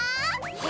え？